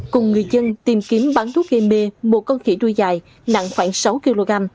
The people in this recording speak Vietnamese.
cùng người dân tìm kiếm bắn thuốc gây mê một con khỉ đuôi dài nặng khoảng sáu kg